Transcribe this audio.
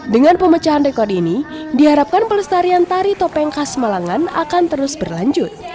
dengan pemecahan rekod ini diharapkan pelestarian tari topeng khas malangan akan terus berlanjut